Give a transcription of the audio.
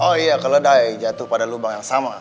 oh iya keledai jatuh pada lubang yang sama